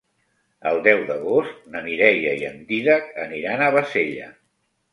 El deu d'agost na Mireia i en Dídac aniran a Bassella.